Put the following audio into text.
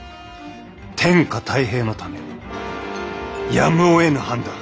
天下太平のためやむをえぬ判断。